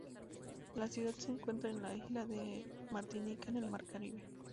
La ciudad se encuentra en la isla de Martinica en el mar Caribe.